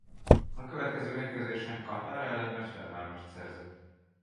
A következő mérkőzésen Katar ellen mesterhármast szerzett.